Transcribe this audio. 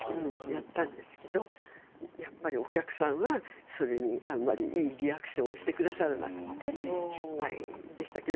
やったんですけどやっぱりお客さんはあんまりいいリアクションをしてくださらなくて失敗でしたけど。